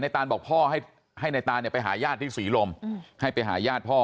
ตานบอกพ่อให้นายตานไปหาญาติที่ศรีลมให้ไปหาญาติพ่อ